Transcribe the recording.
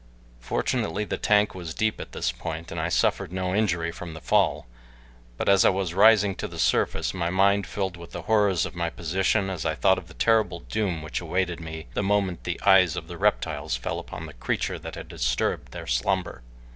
Fortunately the tank was deep at this point, and I suffered no injury from the fall, but as I was rising to the surface my mind filled with the horrors of my position as I thought of the terrible doom which awaited me the moment the eyes of the reptiles fell upon the creature that had disturbed their slumber.